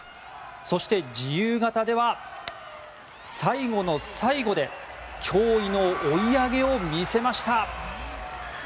そして、自由形では最後の最後で驚異の追い上げを見せました。